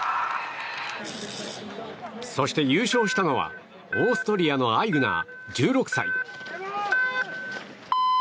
そして優勝したのはオーストリアのアイグナー１６歳。